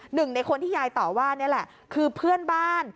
หนึ่งในคนที่ยายต่อว่านี่แหละคือเพื่อนบ้าน